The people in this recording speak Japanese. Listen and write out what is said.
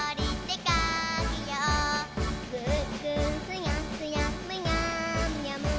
「ぐーぐーすやすやむにゃむにゃむ」